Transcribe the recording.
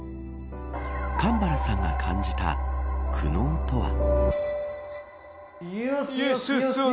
神原さんが感じた苦悩とは。